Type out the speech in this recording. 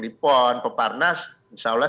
di pon peparnas insya allah